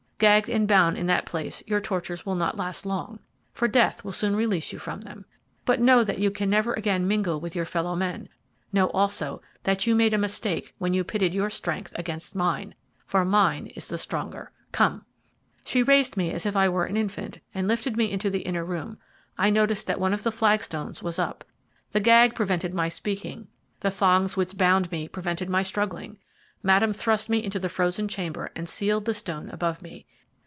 Gagged and bound in that place your tortures will not last long, for death will soon release you from them. But know that you can never again mingle with your fellow men. Know also that you made a mistake when you pitted your strength against mine, for mine is the stronger. Come!' "She raised me as if I were an infant, and lifted me into the inner room. I noticed that one of the flagstones was up the gag prevented my speaking, the thongs which bound me prevented my struggling. Madame thrust me into the frozen chamber and sealed the stone above me.